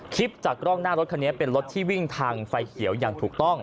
คลิปจากกล้องหน้ารถคันนี้เป็นรถที่วิ่งทางไฟเขียวอย่างถูกต้อง